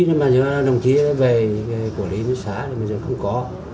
nhưng mà giờ đồng chí về quản lý nước xã thì bây giờ không có